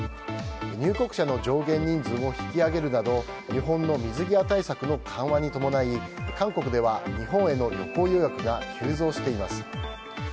入国者の上限人数を引き上げるなど日本の水際対策の緩和に伴い韓国では日本への旅行予約が急増しています。